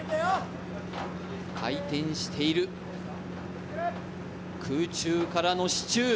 回転している空中からの支柱。